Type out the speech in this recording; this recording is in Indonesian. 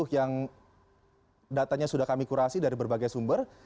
yang datanya sudah kami kurasi dari berbagai sumber